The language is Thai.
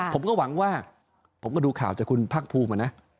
ผมก็หวังว่าผมก็ดูข่าวจากคุณภาคภูมิมานะ